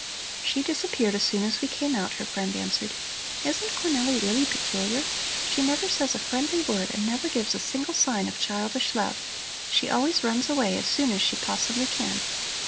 "She disappeared as soon as we came out," her friend answered. "Isn't Cornelli really peculiar? She never says a friendly word and never gives a single sign of childish love. She always runs away as soon as she possibly can."